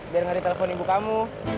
biar gak ditelepon ibu kamu